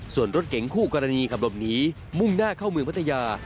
ส่วนรถเก๋งคู่กรณีขับหลบหนีมุ่งหน้าเข้าเมืองพัทยา